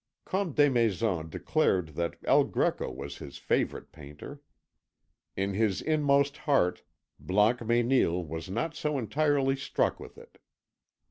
Comte Desmaisons declared that El Greco was his favourite painter. In his inmost heart Blancmesnil was not so entirely struck with it.